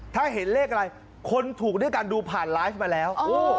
ถ้าเห็นเลขอะไรคนถูกด้วยการดูผ่านไลฟ์มาแล้ว